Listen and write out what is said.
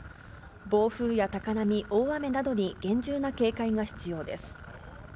暴風や高波、大雨などに、厳重な警戒が必要です。